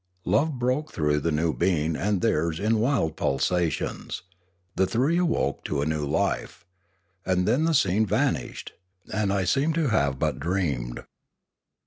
Love broke through the new being and theirs in wild pulsations. The three awoke to a new life. And then the scene vanished, and I seemed to have but dreamed.